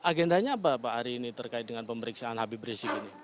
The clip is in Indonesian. agendanya apa pak hari ini terkait dengan pemeriksaan habib rizik ini